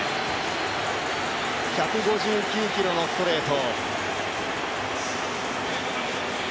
１５９キロのストレート。